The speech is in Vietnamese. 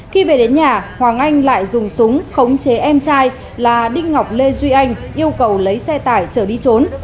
khi về đến nhà hoàng anh lại dùng súng khống chế em trai là đinh ngọc lê duy anh yêu cầu lấy xe tải chở đi trốn